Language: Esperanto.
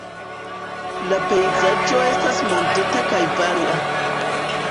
La pejzaĝo estas monteta kaj varia.